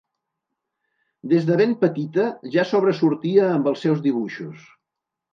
Des de ben petita ja sobresortia amb els seus dibuixos.